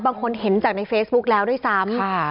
บางคนเห็นจากในเฟซบุ๊กแล้วด้วยซ้ำ